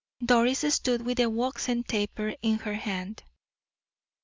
Doris stood with the waxen taper in her hand.